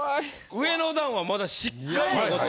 上の段はまだしっかり残って。